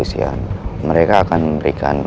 pikiran saya bercabang sekarang